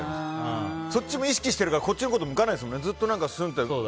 そっちも意識してるからこっちのほう向かないですもんね。